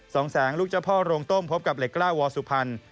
สองแสงลูกเจ้าพ่อโรงต้มพบกับเหล็กกล้าวอสุพรรณ